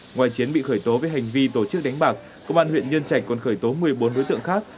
ngoài chiến bị khởi tố về hành vi tổ chức đánh bạc công an huyện nhân trạch còn khởi tố một mươi bốn đối tượng khác